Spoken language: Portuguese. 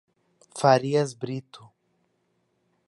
Farias Brito